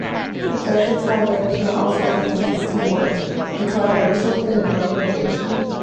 Effective time management also enhances teamwork and collaboration within an organization.